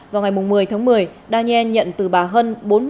vào ngày một mươi tháng một mươi daniel nhận từ bà hân bốn mươi bảy đồng